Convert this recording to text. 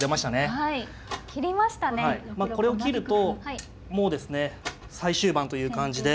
はいこれを切るともうですね最終盤という感じで。